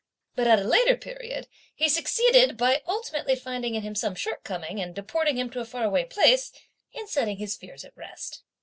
But at a later period, he succeeded, by ultimately finding in him some shortcoming, and deporting him to a far away place, in setting his fears at rest.